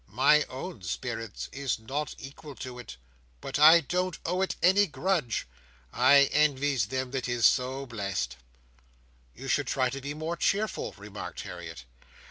"My own spirits is not equal to it, but I don't owe it any grudge. I envys them that is so blest!" "You should try to be more cheerful," remarked Harriet.